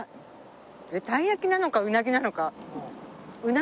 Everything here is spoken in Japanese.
鯛焼きなのかうなぎなのか？